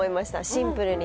シンプルに。